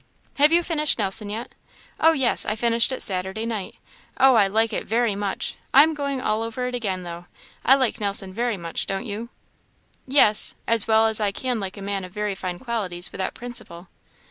"Have you finished Nelson yet?" "Oh, yes! I finished it Saturday night. Oh, I like it very much! I am going all over it again, though. I like Nelson very much; don't you?" "Yes as well as I can like a man of very fine qualities without principle."